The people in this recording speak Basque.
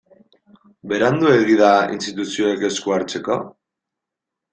Beranduegi da instituzioek esku hartzeko?